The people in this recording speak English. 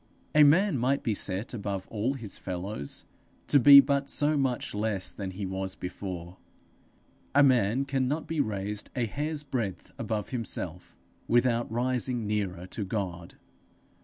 A man might be set above all his fellows, to be but so much less than he was before; a man cannot be raised a hair's breadth above himself, without rising nearer to God.